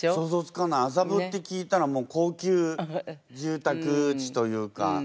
麻布って聞いたらもう高級住宅地というか。